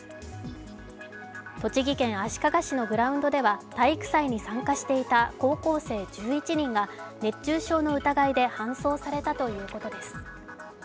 栃木県足利市のグラウンドでは体育祭に参加していた高校生１１人が、熱中症の疑いで搬送されたということです。